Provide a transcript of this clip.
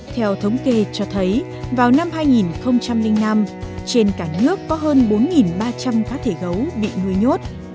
theo thống kê cho thấy vào năm hai nghìn năm trên cả nước có hơn bốn ba trăm linh cá thể gấu bị nuôi nhốt